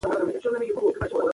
د ګټې ویش باید د انصاف له مخې وي.